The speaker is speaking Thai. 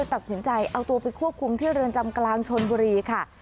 ตัดสินใจเอาตัวไปควบคุมที่เรือนจำกลางชนบุรีค่ะ